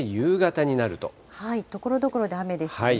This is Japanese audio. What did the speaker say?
ところどころで雨ですね。